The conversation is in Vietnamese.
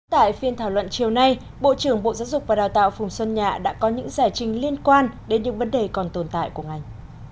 tại phiên thảo luận chiều nay bộ trưởng bộ giáo dục và đào tạo phùng xuân nhạ đã có những giải trình liên quan đến những vấn đề còn tồn tại của ngành